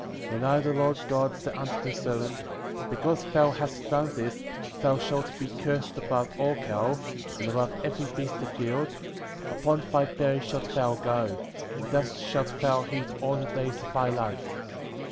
20. And I, the Lord God, said unto the serpent : Because thou hast done this thou shalt be cursed above all cattle, and above every beast of the field; upon thy belly shalt thou go, and dust shalt thou eat all the days of thy life; 21.